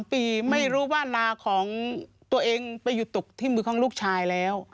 ปีไม่รู้ว่านาของตัวเองไปอยู่ตกที่มือของลูกชายแล้ว